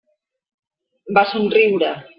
Va somriure.